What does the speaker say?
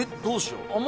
どうしよう？